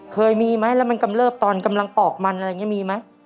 เคยมีไหมมันกำเลิภตอนกำลังปอกมันมีไหม